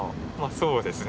そうですね。